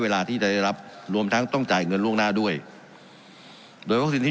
เวลาที่จะได้รับรวมทั้งต้องจ่ายเงินล่วงหน้าด้วยโดยวัคซีนที่